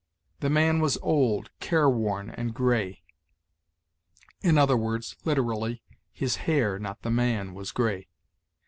"The man was old, careworn, and gray"; i. e., literally, his hair, not the man, was gray.